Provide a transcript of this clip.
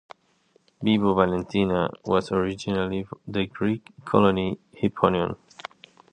Vibo Valentia was originally the Greek colony of Hipponion.